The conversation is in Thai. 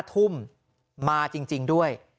ทุ่มมาจริงด้วย